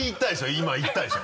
今いったでしょ。